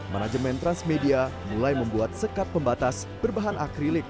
manajemen transmedia mulai membuat sekat pembatas berbahan akrilik